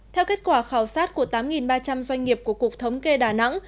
theo kết quả khảo sát của tám ba trăm linh doanh nghiệp của cục thống kê đà nẵng